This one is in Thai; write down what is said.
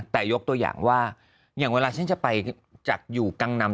แต่ยกตัวอย่างว่าอย่างเวลาฉันจะไปจากอยู่กังนำ